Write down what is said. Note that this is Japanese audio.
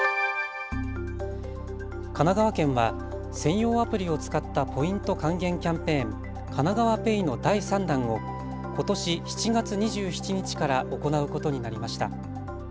神奈川県は専用アプリを使ったポイント還元キャンペーン、かながわＰａｙの第３弾をことし７月２７日から行うことになりました。